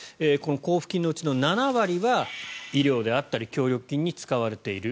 交付金のうちの７割は医療であったり協力金に使われている。